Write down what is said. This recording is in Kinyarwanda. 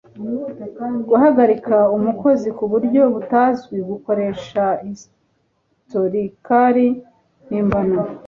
guhagarika umukozi kuburyo butazwi gukoresha historical mpimbano